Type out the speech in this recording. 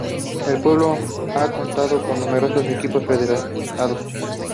El pueblo ha contado con numerosos equipos federados.